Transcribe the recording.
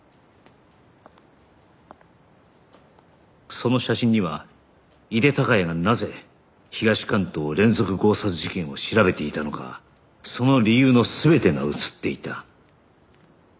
その写真には井手孝也がなぜ東関東連続強殺事件を調べていたのかその理由の全てが写っていた